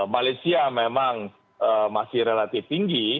malaysia memang masih relatif tinggi